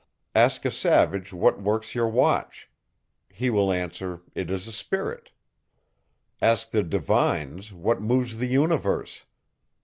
Ask a savage, what works your watch? He will answer, it is a spirit. Ask the divines, what moves the universe?